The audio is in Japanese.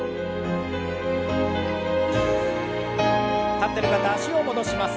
立ってる方は脚を戻します。